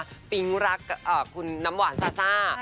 ปิ๊งรักคุณน้ำหวานซาซ่า